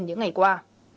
những ngày trước